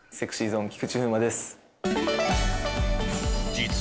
ＳｅｘｙＺｏｎｅ菊池風磨です